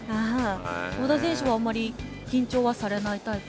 江田選手はあんまりきんちょうはされないタイプ？